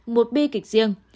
một bi kịch riêng